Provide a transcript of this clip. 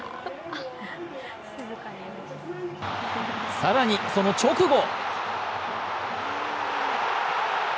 更にその直後。